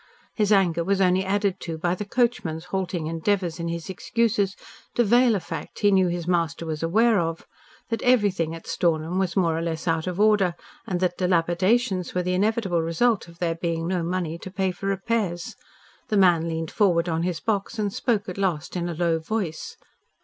His anger was only added to by the coachman's halting endeavours in his excuses to veil a fact he knew his master was aware of, that everything at Stornham was more or less out of order, and that dilapidations were the inevitable result of there being no money to pay for repairs. The man leaned forward on his box and spoke at last in a low tone.